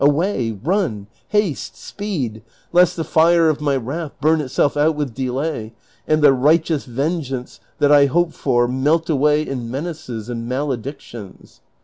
Away, run, haste, sjiced ! lest the fire of my wrath burn itself out with delay, and the righteous vengeance that I hope for melt awa}' in menaces and maledictions."